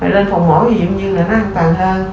lên phòng mổ gì cũng như là nó an toàn hơn